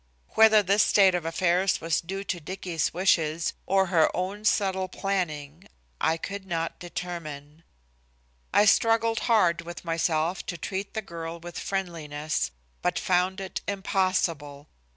Whether this state of affairs was due to Dicky's wishes or her own subtle planning I could not determine. I struggled hard with myself to treat the girl with friendliness, but found it impossible.